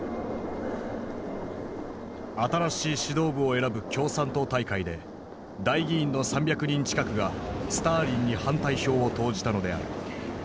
新しい指導部を選ぶ共産党大会で代議員の３００人近くがスターリンに反対票を投じたのである。